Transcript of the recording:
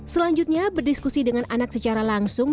selanjutnya berdiskusi dengan anak secara langsung